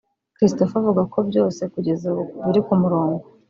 Christopher avuga ko byose kugeza ubu biri ku murongo